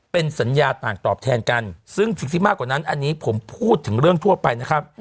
เป็นสัญญาต่างตอบแทนกันซึ่งสิ่งที่มากกว่านั้นอันนี้ผมพูดถึงเรื่องทั่วไปนะครับ